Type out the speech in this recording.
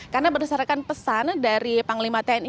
karena berdasarkan pesan dari panglima tni